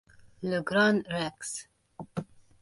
Le Grand Rex.